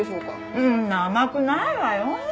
そんな甘くないわよ。